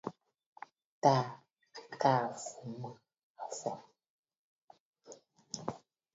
Tàa à fù mə afɔ̀.